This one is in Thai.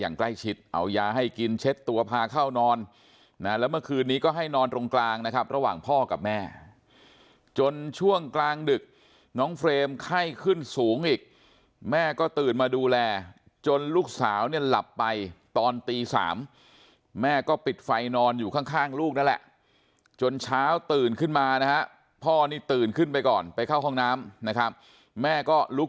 ใกล้ชิดเอายาให้กินเช็ดตัวพาเข้านอนนะแล้วเมื่อคืนนี้ก็ให้นอนตรงกลางนะครับระหว่างพ่อกับแม่จนช่วงกลางดึกน้องเฟรมไข้ขึ้นสูงอีกแม่ก็ตื่นมาดูแลจนลูกสาวเนี่ยหลับไปตอนตี๓แม่ก็ปิดไฟนอนอยู่ข้างลูกนั่นแหละจนเช้าตื่นขึ้นมานะฮะพ่อนี่ตื่นขึ้นไปก่อนไปเข้าห้องน้ำนะครับแม่ก็ลุก